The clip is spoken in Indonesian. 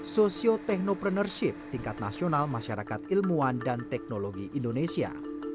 sosio technoprenership tingkat nasional masyarakat ilmuwan dan teknologi indonesia